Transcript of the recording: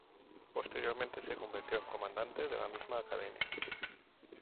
Posteriormente se convirtió en comandante de la misma academia.